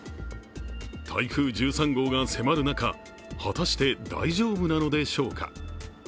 台風１３号が迫る中果たして大丈夫なのでしょうか。